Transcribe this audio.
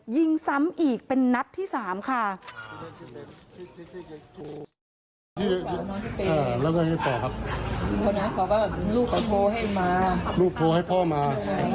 ยิงซ้ำอีกเป็นนัดที่๓ค่ะ